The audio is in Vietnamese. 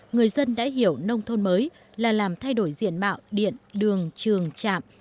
người dân đã hiểu nông thôn mới là làm thay đổi diện mạo điện đường trường trạm